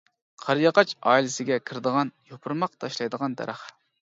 قارىياغاچ ئائىلىسىگە كىرىدىغان، يوپۇرماق تاشلايدىغان دەرەخ.